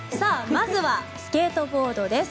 まずはスケートボードです。